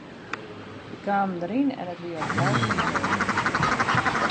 Wy kamen deryn en it wie al blau fan 'e reek.